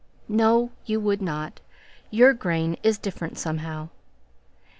"No, you would not. Your grain is different, somehow."